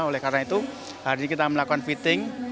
oleh karena itu hari ini kita melakukan fitting